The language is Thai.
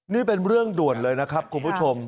นี่เป็นเรื่องด่วนเลยนะครับคุณผู้ชม